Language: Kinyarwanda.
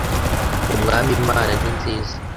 umwami imana ninziza.